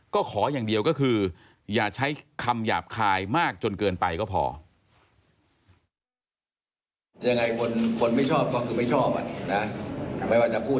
ก็ขออย่างเดียวก็คืออย่าใช้คำหยาบคายมากจนเกินไปก็พอ